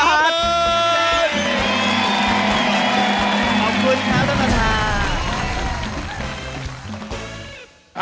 ขอบคุณครับท่านประธาน